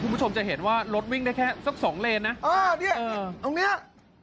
คุณผู้ชมจะเห็นว่ารถวิ่งได้แค่สักสองเลนนะเออเนี่ยตรงเนี้ย